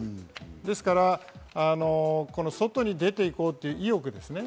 ですから、この外に出て行こうという意欲ですね。